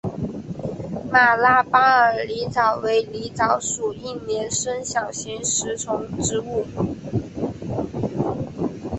马拉巴尔狸藻为狸藻属一年生小型食虫植物。